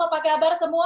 apa kabar semua